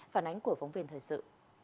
phản ánh của phóng viên thời sự